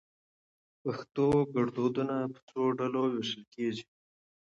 پښتو ګړدودونه په څو ډلو باندي ويشل کېږي؟